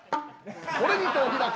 これにてお開き。